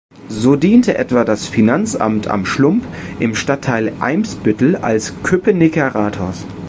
So diente etwa das Finanzamt am Schlump im Stadtteil Eimsbüttel als Köpenicker Rathaus.